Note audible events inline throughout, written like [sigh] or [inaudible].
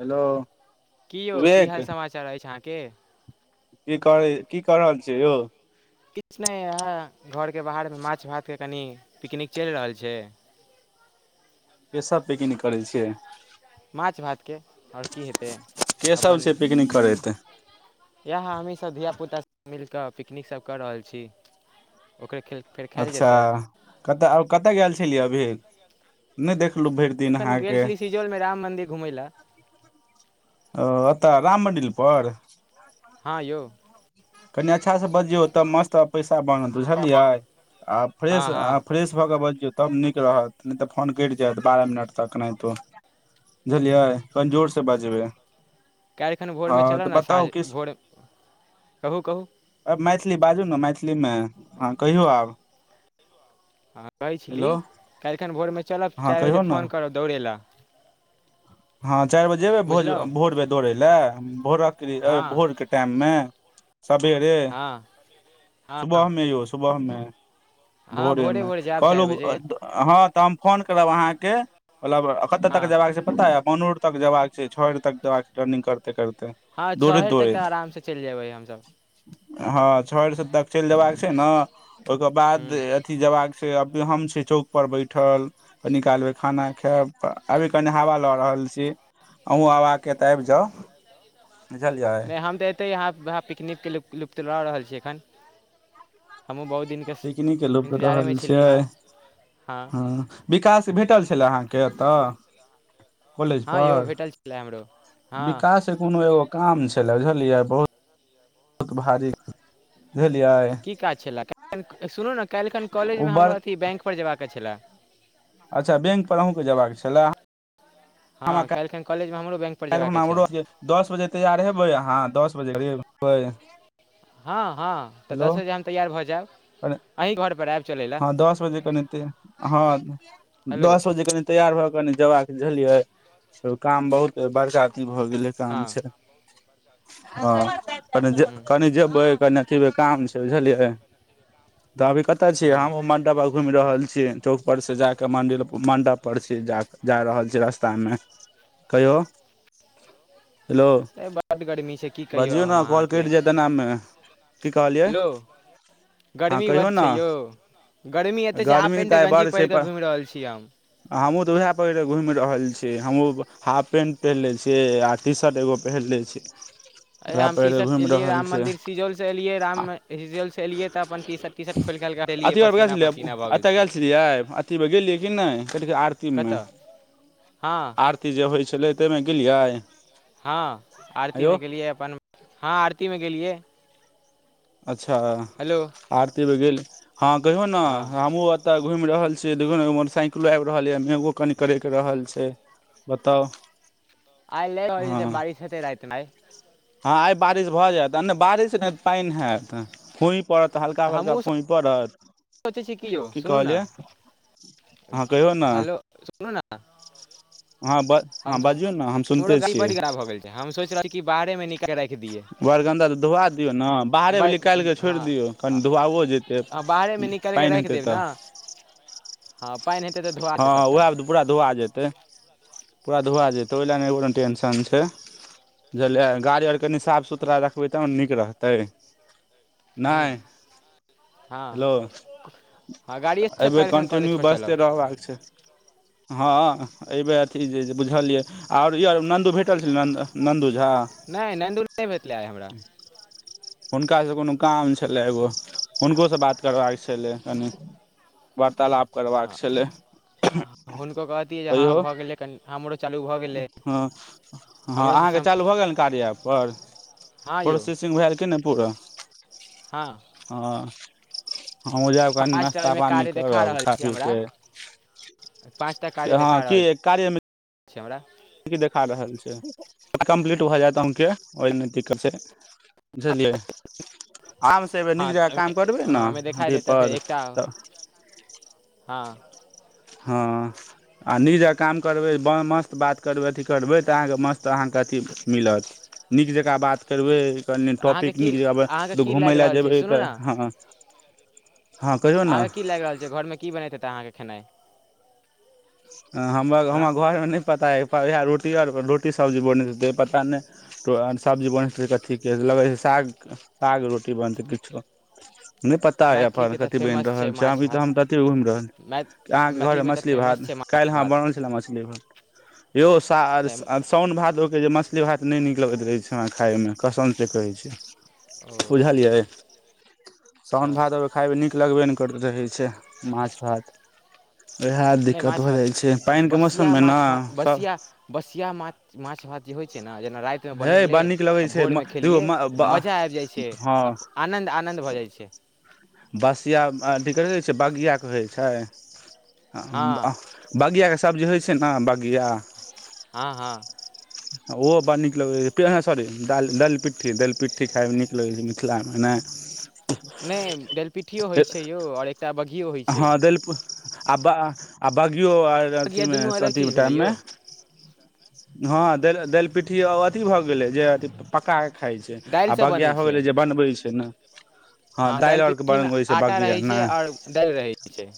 Hello की यौ की विवेक हाल समाचार अछि अहाँके की करे की कऽ रहल छियै यौ किछु नहि यहाँ घरके बाहरमे माछ भातके कनि पिकनिक चलि रहल छै। के सब पिकनिक करै छियै? माछ भातके आओर की हेतै। के सब छै पिकनिक करैत? यह हमही सब धिय पुता सब मिल क पिकनिक सब कर रहल छी। ओकरे खेल फेर खायल अच्छा जेतै कतऽ कतय गेल छलियै अभी नहि देखलहु भरि दिन एखन अहाँके [unintelligible] राम मन्दिर घुमै लए। ओ एतऽ राम मंदिर पर हँ यौ कनि अच्छासँ बजियौ तऽ मस्त पैसा बनत बुझलियै आ हँ फ्रेश हँ अहाँ फ्रेश भऽ कऽ बाजियो तब नीक रहत नहि तऽ फोन कटि जायत बारह मिनट तक नहि तू बुझलियै कनि जोर से बाजबै काल्हि खन भोरमे चलऽ ने साँझ किस भोर कहूँ कहू मैथिली बाजू ने मैथिलीमे हँ कहियौ आब हँ कहै छली हेलो काल्हिखन भोरमे चलब हँ चारि कहियौ बजे ने फोन करब दौड़य लए हँ चारि बजे जेयबै भोज बुझलहुँ भोर बेे दौड़य लए भोरके ल हँ भोरके टाइममे सबेरे हँ हँ सुबहमे यो सुबहमे हँ भोरे भोरेमे भोरे जायब चारि कहलो बजे हँ तऽ हम फोन करब अहाँके मतलब कतऽ तक हँ जयबाक छै पता ययब पानर तक जबाक छै छि तक जबाक छै रन्निंगग करते करते। हँ छओ दौड़ैत हरि तक तऽ दौड़ैत आरामसँ चलि जेबै हमसब हँ छर से तऽ चलि जयबाक छै ने ओहिके बाद हूँ अथी जबाक से अब हम से चौक पर बैठल कनि कायल मऽ खाना खायब अभी कनि हवा लऽ रहल। [unintelligible] आबि जा बझलिय। नहि हम तऽ एतै अहाँहाँ पिकनिकके लुप्त लऽ रहल छीै एखन, हमहूँ बहुत दिनके स् पिकनिक के लुप्त इन्तजारेमे रहल छलियै छियै हेँ हँ विकास भेटल छलए अहाँके एतऽ, कॉलेज हँ यौ पर भेटल छलै हमरो हँ विकास कोनो एगो काम छलै बुझलियै बहु बहुत भारी बुझलियै की काज छले सुनू नऽ काल्हिखन कॉलेज ओ मे बड़ हमर अथ बैंक पर जेयबाक छलै अच्छा बैंक पर अहूँके जयबाक छलय हँ कलखन कॉलेजमे हमरोैंक काल्हि खना हमरो दस बजे तैयार हेबै अहाँ दस बजे करेबै हँ हँ तऽ दस बजे हम तैयार भऽ जायब अरे अहीं घर पर आयब चलै लए हँ दस बजे केे हँ हेलो दस बजे कऽ तैयार भऽ क ने जेबाक के झझिये काम बहुत बड़का अथी भऽ गेले हँ काम छै हँ हूँ कनि जे कनि अथि मे काम छै बुझलियै तऽ अभी कत छियै हमउ हँ मंड घुमि रहल छियै चौक पर से जाके मंडिर मंडप पर छी जा रहल छी रस्ता मे कहियो हेलो बड्ड गर्मी छै की कहियौ बजियौ हम ने कॉल अहाँकेँ कटि जायत एनामे की कहलियै हेलो, हँ गर्मी बड़ कहियौ ने छै यौ गर्मी एतय छै, आब गर्मी पहिट तऽ आइ बड़ गञजी छै पहिढ़ पर कऽ घुमि रहल छी हम, हमहूँ तऽ उएह पहिरे घुम रहल छियै हमूँ हाफ पेंट पहिरले छियै आ टी शर्ट एगो पहिन ले छी अे उएह हम टी पहिरे शर्ट घुमि एलियै रहल राम छै मन्दिर सिजौल से एलियै राम सिजौल से एलिय तऽ अपन टी शर्ट टी शर्ट खोलि खालि कऽ देलियै अथि मे गेल पसीना छलियै पसीना भऽ एतय छलै गेल छलियै आ अथि मे गेलियै कि नहि कऽ आरती तनमे। ह आरती जे होई छलै तइमे गेलियै ह आरती मे यौ गेलियै अपन ह आरती मे गेलियै अच्छा हेलो आरती मे गेल हँ कहियौ ने हँ हमहु तऽ घुमि रहल छै देखो नै मोटरसइकिलो आबि रहल यै मेघो कनी कड़ेक रहल छै बताउ। आइ ले होई हँ छै बारिश हेतइ राइत मे हँ आई बारिश भऽ जायत आने बारिश पाइन हैत खु पड़त हल्का तऽ फलका हमहूँ फुइ पड़त सोचै छी यौ कि सुनू ने कहलियै अहाँ कहियौ ने हेलो सुनू ना ह बस हम हमरो गाड़ी बड़ गराब भऽ गेल छै हम सोच रहले छी कि बाहरे मे निकइल के राइख दिये बरगन्दा तऽ धुआ दियौ नै बाहरे मे ब लिकाइल कऽ छोड़ि दियौ कनि हँ धुआओ जेतै हँ बाहरेमे निकालि पइन हेतै त ह पइन हेतै तऽ धुआ ते सभटा पूरा धुआ जेतै पूरा धुआ जेतै ओइ लेए नहि कुनु टेंशन छै बुझलियै गाड़ी ओर कनि साफ सुथड़रा रखबै तब ना नीक रहतै हूँ नइ हँ हेलो हँ गाड़िएसँ अइबेर काल्हिखन कंटिन्यू कॉलेजपर चलब बइजते रहा बाक हा अइबेर अथि जे बुझलियै और ई और नन्दु भेटल नन्द, नन्दू झा नय नन्दू नहि भेथले हमरा हुनकासँ कोनो काम छलै एगो हुनको सँ बात करबाक छले कनि वार्तालाप करबाकऽ छलै हुनको कहतियै जे ह भऽ गेलै कनि हमरो चालू भऽ गेलै ह ह हमरोसँ अहाँकेँ सम चालू भऽ गेल ने कारीया ऐप पर ह यौ भैल कि नहि पूरात ह ह हमहूँ जायब कनि पाँच टा नाश्ता ओहिमे पानी कार्य देखा करब रहल खा छै पी हमरा कऽ ह कि कार्यमे चमरा। कि देखा रहल छै कम्प्लीट भऽ जायत अहूके ओहि नहि दिक्कत छै बुझलियै हम अयबै हँ नीक जका तऽ काम ओहिमे करबै हँ ने ओहिमे देखाइ देत तऽ फेर अथीपर एकटा तऽ हँ हँ आ निज जका काम करबे मस्त बात करबै अथी करबे तऽ अहाँके मस्त तऽ अहाँके अथी मिलत नीक जकाँ बात करबै कनि तऽ अहाँके टॉपिक की निक अहाँके जगह की लागि घुमय लए रहल छै जेबै सुनू तऽ ने हँ हँ कहियौ ने अहाँके की लाइग रहल छै घरमे की बनैत हेतै अहाँके खेनाइ ह हमर हँ हमरा घरमे नहि पता हइ उएह रोटी आर रोटी सब्जी बनैतै पता नहि ो सब्जी बनै कथीके लगै छै साग साग रोटी बनतै किछो नहि पता यऽ अपन मैथिलीके तऽ कथी बनि फेमस रहल छै, माछ अभी भात तऽ हम तती घुमि रहल मै अहाँके घरमे मैथिलीमे तऽ मछली भात, फेमस छै माछ काल्हि हँ भात बनल छलै मछली यौ साउन भादो ओके जे मछली भात नहि नीक लगैत रहै छै हमरा खाइमे कसम सऽ कहै छै ओ बुझलियै अच्छा साओन भाद खााय मे नीक लगबे ने करैत रहै छै माछ भात वएह नहि दिक्कत माछ भऽ भात जाइ छै पानिके बसिया मौसममे ने माछ भात सभ बसिया बसिया माछ माछ भात जे होइ छै ने जेना राति हे बनलै बड़ नीक लगै आ छै भोरमे खेलियै देखौ मजा आबि जाइ छै हँ आ आनन्द आनन्द भऽ जाइ छै। बसिया अथी कर कहै छै बगियाआके होइ हँ छै। बगि याआके सब्जी होइ छै ने बगिआ हँ हँ ओहो बड़ नीक लगै छै, सॉरीि दलि पिट्ठी दलि पिट्ठी खइमे नीक लगैतै छै। मिथिला मे नहि नहि डेलपिटठियो होइत छै यौ आओर एक हँ देलप आ ब आ बगियो आ बघिया अथीमे दुनू अलग चीज अथीके भेलै टाइममे यौ हँ दि दलि पिट्ठी आ अथी भऽ गेलै जे अथी पकाकऽ खाइ छै दालिसँ बनै बागियाआा हो छै गेलै जे बनबै छै ने हँ दालि आरके पिट्ठीमे बनबै छै आटा बगिया रहैत छै आओर दालि रहैत छै।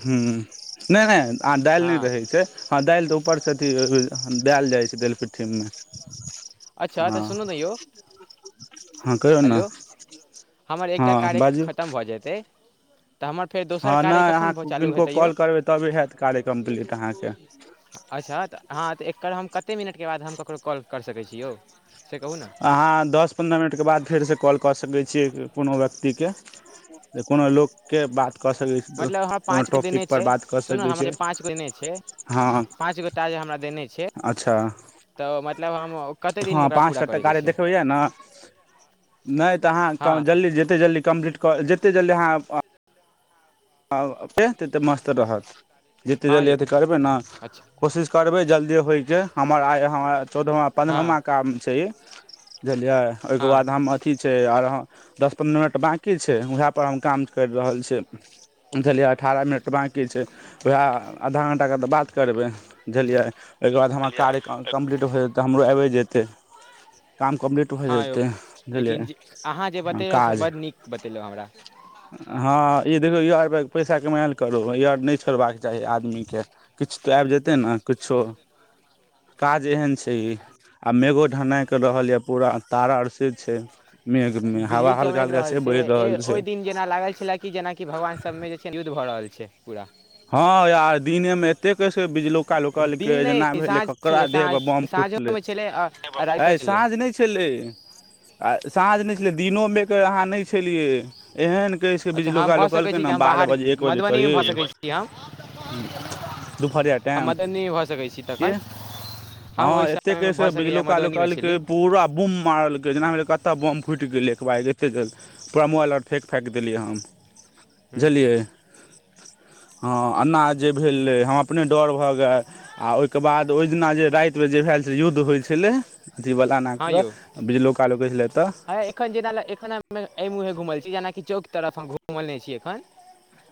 ह नहि नहि आ दालि हँ नहि रहै छै। हँ दालि तऽ ऊपरसँ अथी देल जाइ छै दालि पिट्ठीमे अच्छा तऽ हँ सुनू ने यौ [unintelligible] हँ कहियौ ने हेलो हमर हँ एकटा कार्य बाजू खतम भऽ जेतै। तऽ हमर फेर दोसर हँ कार्य नहि अहाँ कखन चालू किनको हेतै यौ कॉल करबै तबे हैत कार्य कम्प्लीट अहाँके। अच्छा तऽ हँ तऽ एकर हम कतेक मिनटके बाद हम ककरो कॉल करि सकैत छी यौ से कहू ने अहाँ दस पन्द्रह मिनटके बाद फेरसँ कॉल कऽ सकै छियै कोनो व्यक्तिके जे कोनो लोक के बात कऽ सकैत छी। मतलब हमर कोनो पाँच गो दिने टॉपिकपर छै बात कऽ सुनु नऽ सकै हमर छै पाँच गो दिने छै। हँ पांच गो टास्क हमरा कार्य देले छै अच्छा तऽ मतलब कतेक हँ दिनमे ओकरा पाँच पूरा सए करैके टाकाे छै देखबै यए ने नहि तऽ हँ अहाँ जल्दी जेतै जल्दी कम्प्लीट कर जते जल्दी अहाँ आ पे ततेक मस्त रहत जतेक हँ जलिय यौ एतेक करबै ने अच्छा कोशिश करबै जल्दी होइके हमर आइ हमर चौदहमा हँ पन्द्रहमा काम छै। बुझलियै हँ ओहिके बाद हम अथी छै आर दस पन्द्रह मिनट बकी छै, उएह पर हम काम करि रहल छी। बुझलियै अठारह मिनट बाँकी छै, उएह आधा घण्टाके तऽ बात करबै बुझलियै। ओके बाद हमर कार्य कम्प्लीट होै तऽ हमरो आबिे जेतै काम कम्प्लीट हो हँ यौ जेतै बुझलियै लेकिन अहाँ जे बतेलहुँ से काज बड नीक बतेलहुँ हमरा हँ ई देखियौ ई अरप पैसा कमए ल लेल करू ई अर नै छोड़बाक चाही आदमीकेँ किछु तऽ आइब जेतै ने किछो काज एहन छै ई आ मेघो ढेनाइ कऽ रहल यए पूरा तारा आ से छै। मेघ मे हवा हल्का हल्का से बैह रहल छै। तीन जेना लागल छले क जेनाकि भगवान सब मे जे छै युद्ध भऽ रहल छै पूरा ह यार दिने में एते कैसके बिजलो दिन कुकलकै जेना नहि भेलै साँझ ककड़रा छलै देह साँझ पर बम फूटले साँझोमे छलै आ आ अ रातिओ छलै साँझ नै छलै आ साँझ नै छलै दिनो मे के अहाँ नै छलियै एहन कैस अच्छा हम बिजलौका भऽ सकैत लोकलकै छी जे ने हम बारह बाहर बजे एक बजे मधुबनीमे भऽ करीब सकैत छी हम दुपहरिया हम टाइम मधुबनीमे भऽ सकैत छी के तखन हम हँ ओहि एतेक समयमे भऽ कैसके सकैए बिजलोका मधुबनीमे लोकल कै छली पूरा बुम मारल कै जेना भेलै कतय बम फुटि गेलै एकबार एते गेल। पूरा मोबाइल आर फेक फैक देलियै हम हूँ, बुझलियै हँ अनाज जे भेलै हम अपने डर भऽ गेल आ ओहिके बाद ओहि दिना जे रैत मे जे भए छल युद्ध होइ छलै अथीवला आख कऽ बिजलोका लोकै छलै तऽ आ एखन जेना एखन एहि मुँहे घुमल छी जेनाकि चौक तरफ हम घुमल नै छी एखन।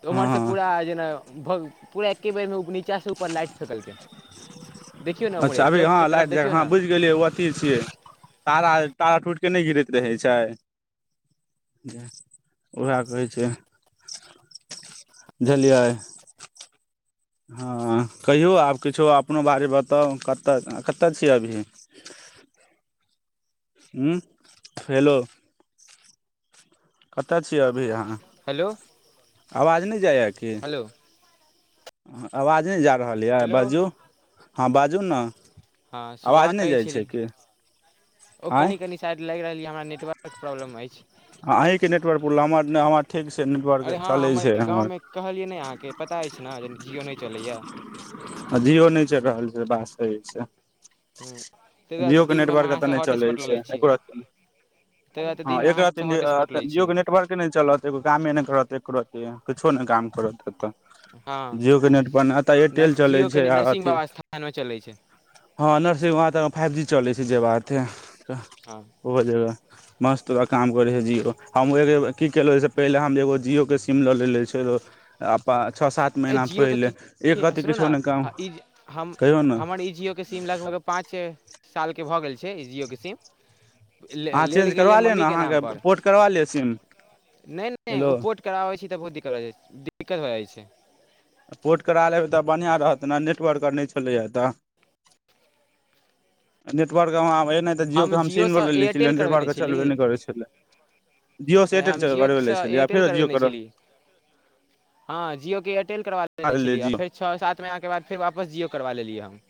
तऽ हँ ओम्हरसँ हँ पूरा जेना भ पूरा एक्के बेरमे ओ नीचासँ ऊपर लाइट फँकलकै हन अच्छा अभी हँ लागि जाय हँ ने बुझि गेलियै ह ओ अथी छियै तारा तारा टूइट कऽ नै गिरैत रहै छै उहे कहै छै बुझलियै हँ कहियौ आब किछो अपनो बारे बताउ कतय कतय छियै अभी हुॅं हेलो कतऽ छियै अभी अहाँ हेलो आवाज नै जाये कि हलो आवाज नै जा रहल यऽ हेलो बाजू हँ बाजू ने हँ आवाज सुबह नै कहै जाइ छली छै कि ओ कनि कनि साइड लैग रहल यए हमरा नेटवर्क प्रॉब्लम अछि अहीके नेटवर्कपुरल हमर नै हमर ठीक से नी [unintelligible] अरे हँ हमर गामवमे कहलियै नै अहाँके पता अछि ने जे जिओ नै चलैए अ जियो नै चैल रहल छै बात सही छै ताहि अ दुआरे जीयो तऽ के दिनमे हम नेटवर्क एतऽ अहाँसँ नै छै हॉटस्पॉट लऽ लै छी एको ताहि रती नै दुआरे तऽ ह‌ दिनमे एक अहाँसँ हॉटस्पॉट लै जियओ छी के नेटवर्के नै चलत एगो कामे नै करत एको रती किछो नै काम करत एतऽ हँ जियओके नेटपर नै एत नर्स एयरटेल चलै जिओ छै कनि आ नरसिंह अथी बाबा स्थानमे चलै छै हँ नर्सरी वहाँ तऽ फाइव जी चलै छै जे बात हे हँ ओहो जगह मस्त अ काम करै है जिओ हम एक की केलहुँ ओहिसँ पहिले हम‌‌जे एगो जिओे सीम लऽ लेलेने छल आ प छ सात ए महीना जिओके पहिले की एक रति सुनू किछो ने नै काम कहियौ ने सिम लगभग पाँच छे सालके भऽ गेल छै जिओके सिम अहाँ लेल चेंज गेलै करबा लिअ मम्मी ने के नाम अहाँके पर पोर्ट करबा लिअ सिम नै नै हेलो ओ पोट कराबै छी तऽ बहुत दिक्कत हो जाई छै दिक्कत भऽ जाई छै पोर्ट करा लेबै तऽ बढ़िआ रहत ने नेटवर्क आर नहि छलैए तऽ नेटवर्क के एनाइ तऽ जिओ के हम सिम लऽ जिओसँ लेने छलै एयरटेल नेटवर्क करबेने के छली चलबे नहि करे छलै जियओ सँ नहि एयरटेल हम करबै लै जिओसँ छलै या एयरटेल फेर जिआ करह ह जियओ के एयरटेल करवा लने छलियै आ फेर छओ सात महिना के बाद फेर वापस जिओ करवा लेलियै हम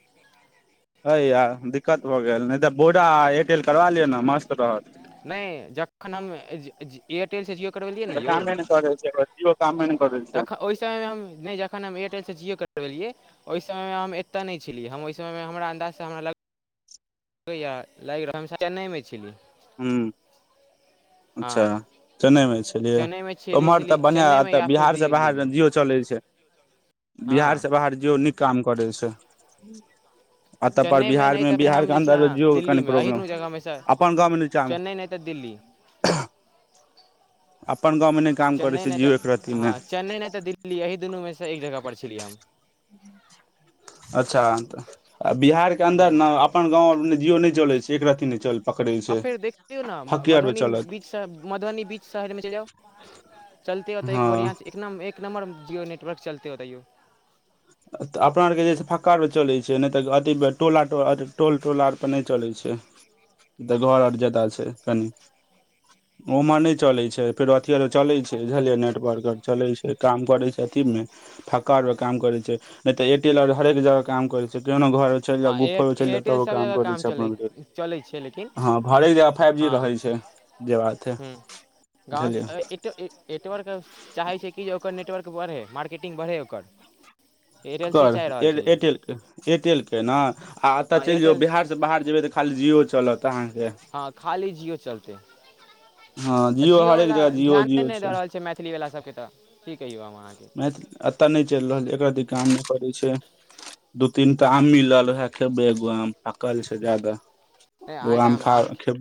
ह या दिक्कत भऽ गेल नहि तऽ वोडा आ एयरटेल करबा लिआ ने मस्त रहत नहि जखन हम एयरटेलसँ जिो करबेलियै ने य ज [unintelligible] काममे करे छै तखन ओहि समय मे हम नहि जखन हम एयरटेलसँ जिओ करबेलिये ओहि समय मे हम एते नहि छलै हम ओहि समय मे हमरा अन्दाज से हमरा लऽ लागि रह हस नहिमे छली हू हँ अच्छा चन्न यै मे छेलियै चेन्नइमे छली ओम्हर तऽ छली बढ़िया चेन्नइमे एतय या फेर बिहार सँ बाहर दिल्लीमे जिओ चलै छै हँ बिहार सँ बाहर जोयो नीक काम करै छै एतऽ पर चेन्नइमे बिहार नहि मे तऽ फेर हम बिहार के जे छै ने अन्दर मे जियो के कनि दिल्लीमे एही प्रॉब्लम अपन गाव मे नीचा मे दिल अपन गाँवमे नहि काम करै चेन्नई छै नहि तऽ जिओ एक रत्ती ह नहि चेन्नई नहि तऽ दिल्ली यही दुनू मे एक जगह पर छली हम ह अच्छा तऽ बिहार के अन्दर हुँ ने अपन गाव जियो नहि चलैत छै एकरती नहि चल पकड़ै आ छै फेर देखियौ ने फकियर मे मधुबनी चलत बीच मधुबनी बीच शहरमे चल जाउ चलते ओतऽ एक हँ बढ़िया एक नम एक नम्बर जियो नेटवर्क चलते ओतऽ यो तऽ अपना औरके जे छैय फक्का और मे चलै छै नेह तऽ अथि टोला टोल टोला पर नेय चलै छै तऽ घर आर जता छै कनि ओम्हर नै य चलैय छै फेरो अथी और चलैय छै बुझलियै नेटवर्क और चलैय छै काम करैय छै अथी मे फक्का और मे काम करे छै नैह तऽ एयरटेलर हरेक जगह काम करे छै केहनो घर हँ एयर चैल एयरटेल तबो सभ काम जगह करे छै चलै अपने के चलै छै लेकिन हा भारी फाइब जी हँ रहे छै जे बात है गाव से बुझलियै ऐ ए एटवर्क चाहै छै कि जे ओकर नेटवर्क बढ़ै मार्केटिग बढ़ै ओकर एयरटेल से ककर चाहै छै यौ एयरटेल एयरटेल के ने आ एतऽ हँ चैल जो एयरटेल बिहार बाहर जेबै तऽ खाली जिओ चलत अहाँके ह खाली जियो चलते हँ आ जिओ हरेक जियोवला जगह जिओ ध्याने जिओ नैय दऽ रहल छै मैथिली वला सभके तऽ की कहियौ हम अहाँकेँ मैथ एता नैय चैल रहल छै एकोरती काम न करै छै दू -तीनटा आम मिलल उहे खेबै एगो आम पकल छै जऽ दऽ दु आइ तऽ आम हम खा खेब